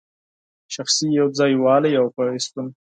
شخصي یو ځای والی او پیوستون